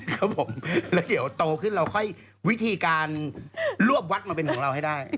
ครับผมแล้วเดี๋ยวโตขึ้นเราค่อยวิธีการรวบวัดมาเป็นของเราให้ได้